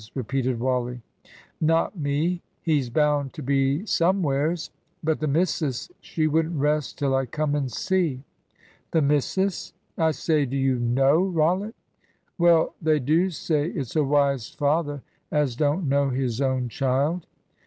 repeated Wally. "Not me he's bound to be somewheres. But the missus, she wouldn't rest till I come and see." "The missus! I say, do you know Rollitt?" "Well, they do say it's a wise father as don't know his own child."